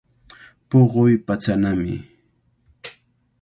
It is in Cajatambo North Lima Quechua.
Puquy patsanami.